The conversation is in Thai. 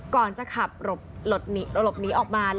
ก่อนจะขับหลบหนีออกมา